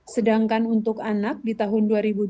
sedangkan untuk anak di tahun dua ribu dua puluh